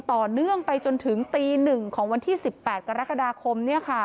ต่อเนื่องไปจนถึงตี๑ของวันที่๑๘กรกฎาคม